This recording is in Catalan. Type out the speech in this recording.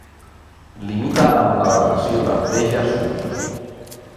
Limita amb la delegació de Béja Sud.